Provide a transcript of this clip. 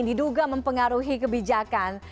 diduga mempengaruhi kebijakan